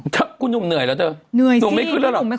คุณหนุ่มเหนื่อยแล้วเธอเหนื่อยสิหนุ่มไม่เคยได้เดิน